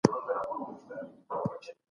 روغتیايي بیمه د خلګو سره مالي مرسته کوي.